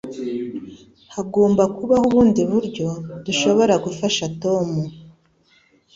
Hagomba kubaho ubundi buryo dushobora gufasha Tom.